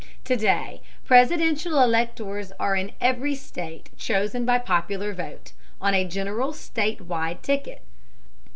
To day Presidential electors are in every state chosen by popular vote, on a general state wide ticket.